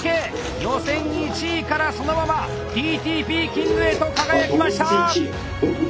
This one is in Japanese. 予選１位からそのままＤＴＰキングへと輝きました！